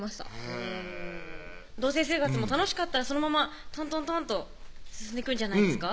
へぇ同棲生活も楽しかったらそのままトントントンと進んでいくんじゃないですか？